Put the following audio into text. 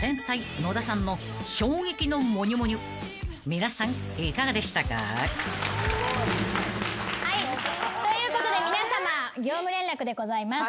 ［皆さんいかがでしたか？］ということで皆さま業務連絡でございます。